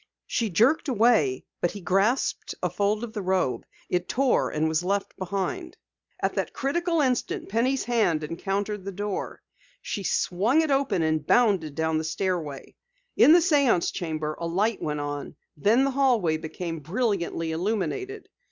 She jerked away, but he grasped a fold of the robe. It tore and was left behind. At that critical instant, Penny's hand encountered the door. She swung it open, and bounded down the stairway. In the séance chamber a light went on, then the hallway became brilliantly illuminated.